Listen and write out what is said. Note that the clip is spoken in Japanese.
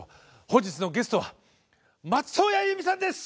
本日のゲストは松任谷由実さんです！